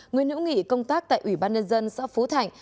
nguyễn hữu nghị công tác tại ủy ban nhân dân xã phú thạnh